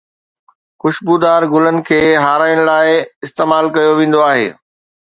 خوشبودار گلن کي هارائڻ لاءِ استعمال ڪيو ويندو آهي